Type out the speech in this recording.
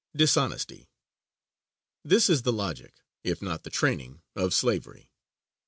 Dishonesty. This is the logic, if not the training, of slavery.